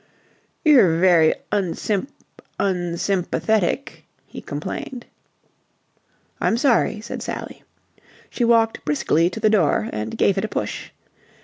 "You're very unsymp... unsympathetic," he complained. "I'm sorry," said Sally. She walked briskly to the door and gave it a push.